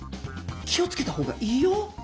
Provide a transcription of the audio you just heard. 気を付けた方がいいよ。